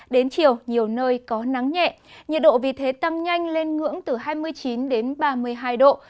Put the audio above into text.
đến chiều nhiều nơi có nắng nhẹ nhiệt độ vì thế tăng nhanh lên ngưỡng từ hai mươi chín đến ba mươi hai độ